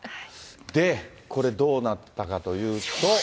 で、これ、どうなったかというと。